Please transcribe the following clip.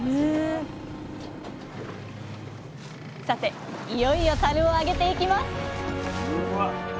さていよいよたるを上げていきます！